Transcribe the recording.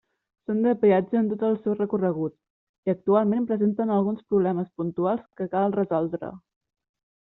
Són de peatge en tot el seu recorregut, i actualment presenten alguns problemes puntuals que cal resoldre.